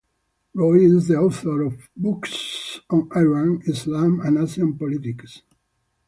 Roy is the author of books on Iran, Islam and Asian politics.